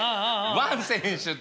ワン選手と。